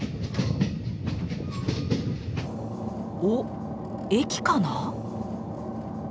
お駅かな？